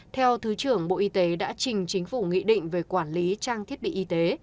theo thứ trưởng bộ y tế đã trình chính phủ nghị định về quản lý trang thiết bị y tế